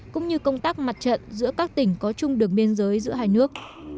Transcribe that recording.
cũng như công tác mặt trận giữa các tỉnh có chung đường biên giới giữa hai nước